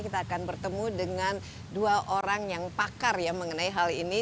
kita akan bertemu dengan dua orang yang pakar ya mengenai hal ini